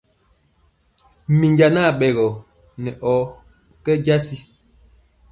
Minja nkɛnji nɛ aɓɛgɔ nɛ ɔ kɛ jasi.